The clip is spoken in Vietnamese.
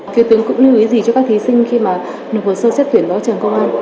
thưa tướng cũng như ý gì cho các thí sinh khi mà được một sơ xét tuyển vào trường công an